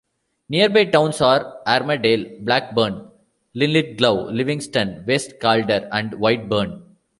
Nearby towns are Armadale, Blackburn, Linlithgow, Livingston, West Calder and Whitburn.